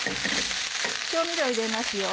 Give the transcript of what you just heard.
調味料を入れますよ。